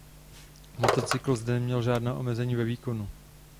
Motocykl zde neměl žádná omezení ve výkonu.